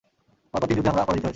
পরপর তিন যুদ্ধে আমরা পরাজিত হয়েছি।